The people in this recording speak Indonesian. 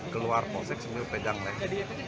keluar polsek sambil pedang naik